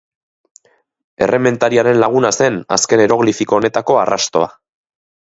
Errementariaren laguna zen azken eroglifiko honetako arrastoa.